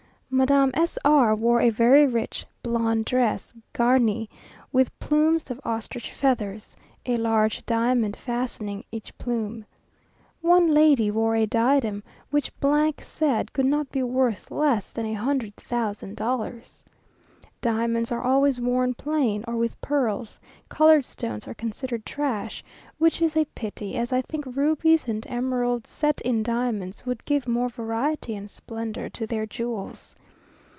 Madame S r wore a very rich blonde dress, garnie with plumes of ostrich feathers, a large diamond fastening each plume. One lady wore a diadem which said could not be worth less than a hundred thousand dollars. Diamonds are always worn plain or with pearls; coloured stones are considered trash, which is a pity, as I think rubies and emeralds set in diamonds would give more variety and splendour to their jewels.